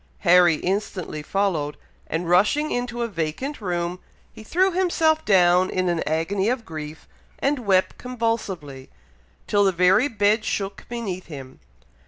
Harry instantly followed, and rushing into a vacant room, he threw himself down in an agony of grief, and wept convulsively, till the very bed shook beneath him.